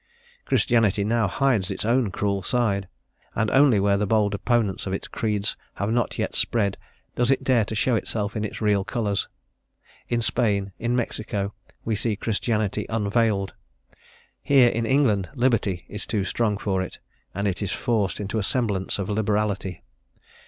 Christianity now hides its own cruel side, and only where the bold opponents of its creeds have not yet spread, does it dare to show itself in its real colours; in Spain, in Mexico, we see Christianity unveiled; here, in England, liberty is too strong for it, and it is forced into a semblance of liberality.